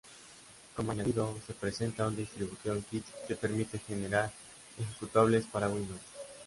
Como añadido se presenta un Distribution kit que permite generar ejecutables para Windows.